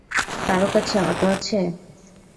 কারো কাছে অটো আছে?